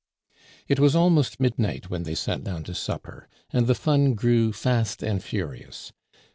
It was almost midnight when they sat down to supper, and the fun grew fast and furious.